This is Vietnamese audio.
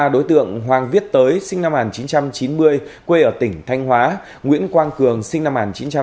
ba đối tượng hoàng viết tới sinh năm một nghìn chín trăm chín mươi quê ở tỉnh thanh hóa nguyễn quang cường sinh năm một nghìn chín trăm tám mươi